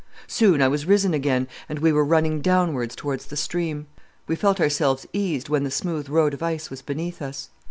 "Soon I was risen again, and we were running downwards towards the stream. We felt ourselves eased when the smooth road of ice was beneath us.